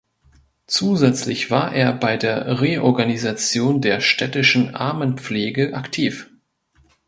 Zusätzlich war er bei der Reorganisation der städtischen Armenpflege aktiv.